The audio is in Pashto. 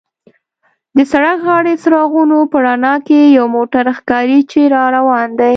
د سړک غاړې څراغونو په رڼا کې یو موټر ښکاري چې را روان دی.